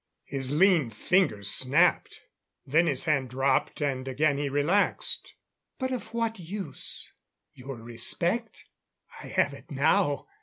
His lean fingers snapped. Then his hand dropped, and again he relaxed. "But of what use?... Your respect? I have it now.